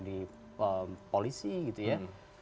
di polisi gitu ya